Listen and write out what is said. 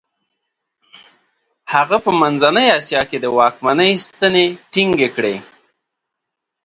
هغه په منځنۍ اسیا کې د واکمنۍ ستنې ټینګې کړې.